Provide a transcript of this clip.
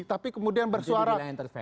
tapi kemudian bersuara